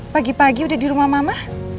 pagi pagi udah di rumah mama